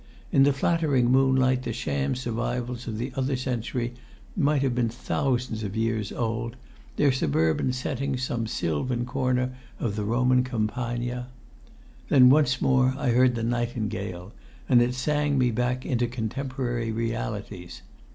In the flattering moonlight, the sham survivals of the other century might have been thousands of years old, their suburban setting some sylvan corner of the Roman campagna.... Then once more I heard the nightingale, and it sang me back into contemporary realities.